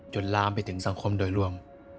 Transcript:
ลามไปถึงสังคมโดยรวม